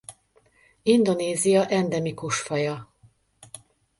Indonézia endemikus faja.